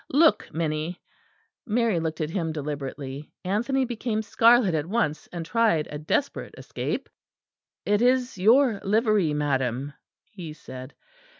Look, Minnie!" Mary looked at him deliberately. Anthony became scarlet at once; and tried a desperate escape. "It is your livery, madam," he said.